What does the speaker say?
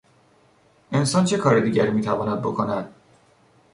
انسان چه کار دیگری میتواند بکند؟